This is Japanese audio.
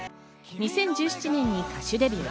２０１７年に歌手デビュー。